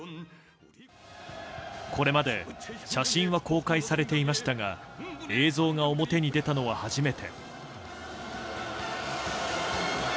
これまで写真は公開されていましたが映像が表に出たのは初めて。